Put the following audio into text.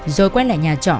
rồi quay lại nhà trọ